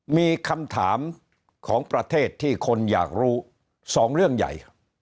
มีคำถามของประเทศที่คนอยากรู้๒เรื่องใหญ่